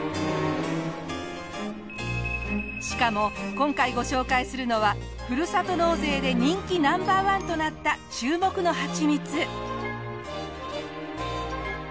しかも今回ご紹介するのはふるさと納税で人気ナンバー１となった注目のはちみつ。